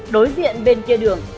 đối viện bên kia đường